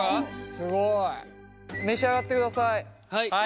すごい。召し上がってください。